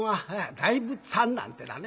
「大仏さん」なんてのはね。